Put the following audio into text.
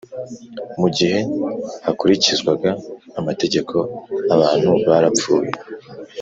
mu gihe hakurikizwaga amategeko abantu barapfuye